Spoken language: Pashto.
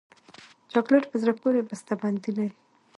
چاکلېټ په زړه پورې بسته بندي لري.